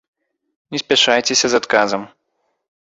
Не спяшайцеся з адказам.